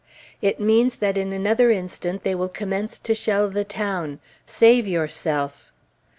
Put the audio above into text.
"It means that in another instant they will commence to shell the town. Save yourself."